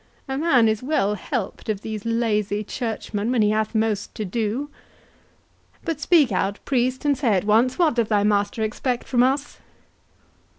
a man is well helped of these lazy churchmen when he hath most to do!—But speak out, priest, and say at once, what doth thy master expect from us?"